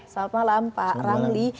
selamat malam pak ramli